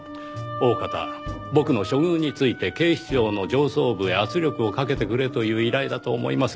大方僕の処遇について警視庁の上層部へ圧力をかけてくれという依頼だと思いますが。